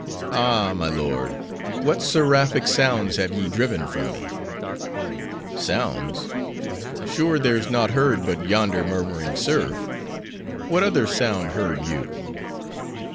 "Ah, my lord! what seraphic sounds have ye driven from me!" "Sounds! Sure, there's naught heard but yonder murmuring surf; what other sound heard you?"